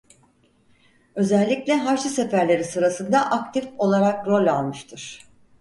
Özellikle Haçlı Seferleri sırasında aktif olarak rol almıştır.